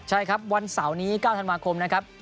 ใช่ครับวันเสาร์นี้๙ธันวาคมนะครับ